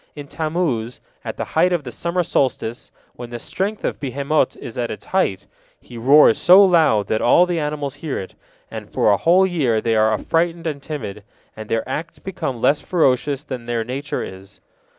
In Tammuz, at the time of the summer solstice, when the strength of behemot is at its height, he roars so loud that all the animals hear it, and for a whole year they are affrighted and timid, and their acts become less ferocious than their nature is.